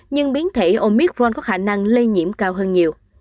nhưng biến thể omicron có khả năng lây nhiễm cao hơn nhiều